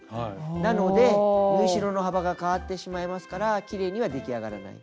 なので縫い代の幅が変わってしまいますからきれいには出来上がらない。